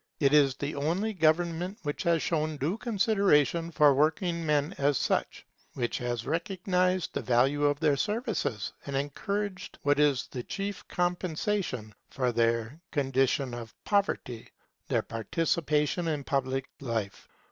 It is the only government which has shown due consideration for working men as such; which has recognized the value of their services, and encouraged what is the chief compensation for their condition of poverty, their participation in public life.